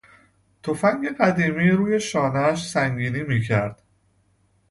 تفنگ قدیمی روی شانهاش سنگینی میکرد.